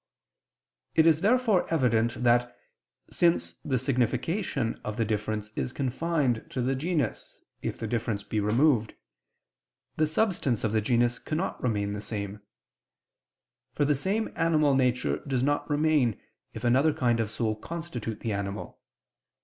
It is therefore evident that, since the signification of the difference is confined to the genus if the difference be removed, the substance of the genus cannot remain the same: for the same animal nature does not remain, if another kind of soul constitute the animal.